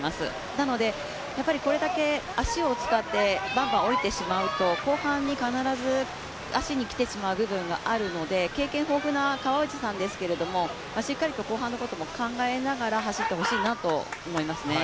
なので、これだけ足を使ってバンバン下りてしまうと後半に必ず足にきてしまう部分があるので経験豊富な川内さんですけども、しっかり後半のことを考えながら走ってほしいなと思います。